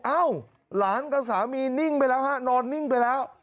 เอ้าหลานกับสามีนิ่งไปแล้วฮะนอนนิ่งไปแล้ว